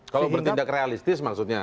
kalau bertindak realistis maksudnya